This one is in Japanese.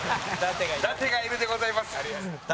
ダテがいるでございます。